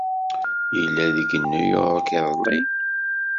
Yella deg New York iḍelli?